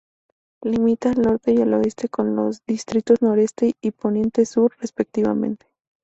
Limita al norte y al oeste con los distritos Noroeste y Poniente-Sur respectivamente.